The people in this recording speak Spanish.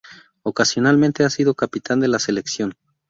Ocasionalmente ha sido capitán de la selección.